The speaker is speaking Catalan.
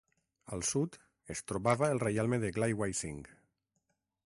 Al sud es trobava el reialme de Glywysing.